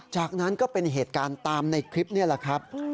จากนั้นก็เป็นเหตุการณ์ตามในคลิปนี่แหละครับ